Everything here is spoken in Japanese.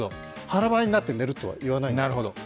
腹ばいになって寝るとは言わない。